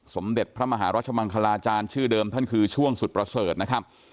สมเด็จพระมหารัชมังคลาจารย์ชื่อเดิมท่านคือช่วงสุดประเสริฐนะครับ